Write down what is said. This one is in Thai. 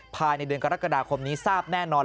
ภายในเดือนกรกฎาคมนี้ทราบแน่นอน